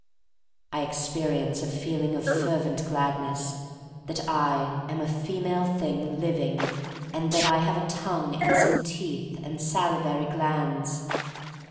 I experi ence a feeling of fervent gladness that I am a female thing living, and that I have a tongue and some teeth, and salivary glands.